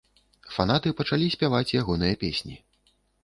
Фанаты пачалі спяваць ягоныя песні.